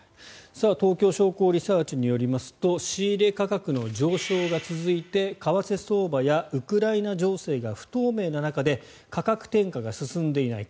東京商工リサーチによりますと仕入れ価格の上昇が続いて為替相場やウクライナ情勢が不透明な中で価格転嫁が進んでいない。